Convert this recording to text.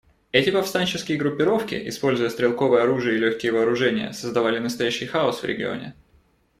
Эти повстанческие группировки, используя стрелковое оружие и легкие вооружения, создавали настоящий хаос в регионе.